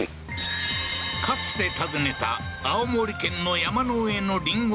かつて訪ねた青森県の山の上のりんご農家